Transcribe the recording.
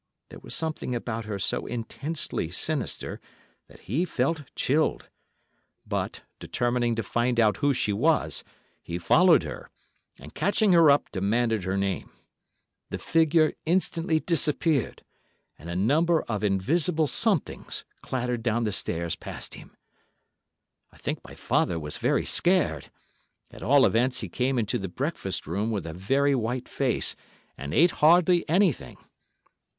There was something about her so intensely sinister that he felt chilled; but, determining to find out who she was, he followed her, and catching her up, demanded her name. There was a chuckling answer, the figure instantly disappeared, and a number of invisible somethings clattered down the stairs past him. "I think my father was very scared; at all events he came into the breakfast room with a very white face and ate hardly anything.